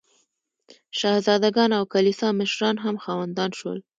شهزاده ګان او کلیسا مشران هم خاوندان شول.